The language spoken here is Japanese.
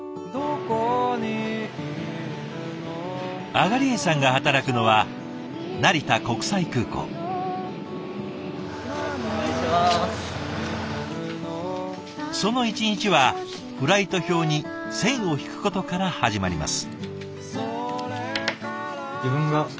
東江さんが働くのはその一日はフライト表に線を引くことから始まります。